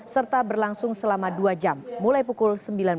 serta berlangsung selama dua jam mulai pukul sembilan belas